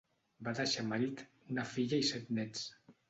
Va deixar marit, una filla i set néts.